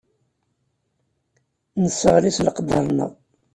Nesseɣli s leqder-nneɣ.